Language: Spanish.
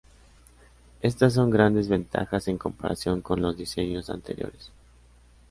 Estas son grandes ventajas en comparación con los diseños anteriores".